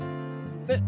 え？